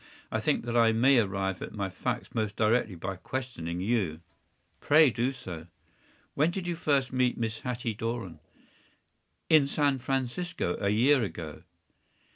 I think that I may arrive at my facts most directly by questioning you.” “Pray do so.” “When did you first meet Miss Hatty Doran?” “In San Francisco, a year ago.